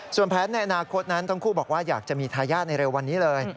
ส่วนแผนในอนาคตนั้นทั้งคู่บอกว่าอยากจะมีทายาทในเร็ววันนี้เลย